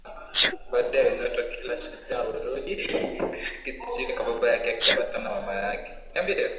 Baada ya Eunoto kila shujaa hurudi kijijini kwa baba yake akiambatana na mama yake